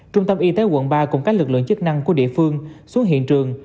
trung tâm y tế quận ba cùng các lực lượng chức năng của địa phương xuống hiện trường